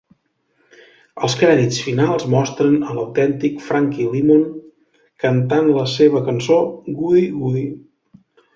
Els crèdits finals mostren a l'autèntic Frankie Lymon cantant la seva cançó Goody Goody.